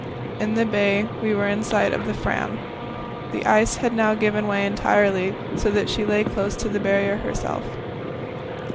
In the bay we were in sight of the Fram. The ice had now given way entirely, so that she lay close to the Barrier itself.